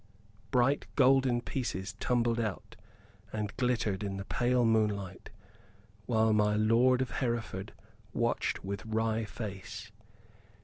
Bright golden pieces tumbled out and glittered in the pale moonlight; while my lord of Hereford watched with wry face.